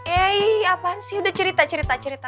eh apaan sih udah cerita cerita